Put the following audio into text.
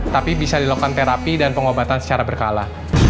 tapi bisa dilakukan terapi dan pengobatan secara berkala